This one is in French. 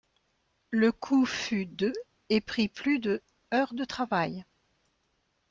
Le coût fut de et prit plus de heures de travail.